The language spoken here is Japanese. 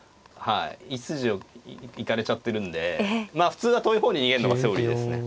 １筋を行かれちゃってるんでまあ普通は遠い方に逃げるのがセオリーですね。